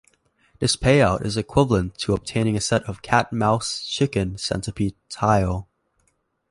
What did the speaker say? This payout is equivalent to obtaining a set of cat-mouse-chicken-centipede tile.